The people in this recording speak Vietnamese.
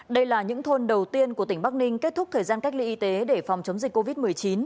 đây là những thôn đầu tiên của tỉnh bắc ninh kết thúc thời gian cách ly y tế để phòng chống dịch covid một mươi chín